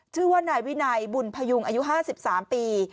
ชื่อว่านายวินัยบุญพยุงอายุ๕๓ปี